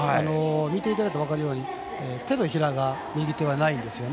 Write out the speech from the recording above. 見ていただいて分かるように手のひらが右手はないですよね。